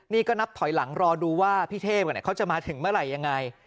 นี่ก็นับถอยหลังรอดูว่าพี่เทพเขาจะมาถึงเมื่อไหร่ยังไง